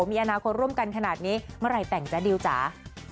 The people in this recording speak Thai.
มีอนาคตร่วมกันขนาดนี้เมื่อไหร่แต่งจ๊ะดิวจ๋า